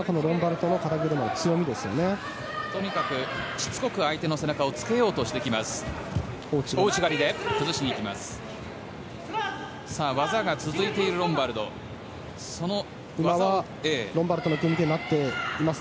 とにかくしつこく相手の背中をつけようとしてきます。